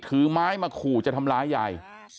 ถือไม้มาขู่จะทำร้ายยาย